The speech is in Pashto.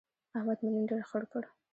احمد مې نن ډېر خړ کړ.